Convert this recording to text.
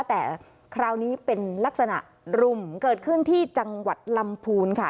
แต่คราวนี้เป็นลักษณะรุมเกิดขึ้นที่จังหวัดลำพูนค่ะ